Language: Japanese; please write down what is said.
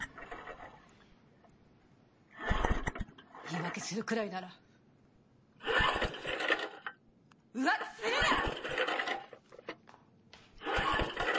言い訳するくらいなら浮気するな。